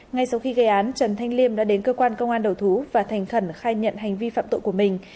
ngay sau khi gây án trần thanh liêm đã đến cơ quan công an đầu thú và thành khẩn khai nhận hành vi phạm tội của mình